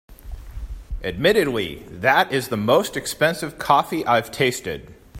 Admittedly, that is the most expensive coffee I’ve tasted.